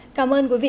ngân tína dài